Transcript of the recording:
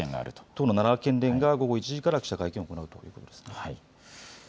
党の奈良県連が１時から記者会見を行うということです。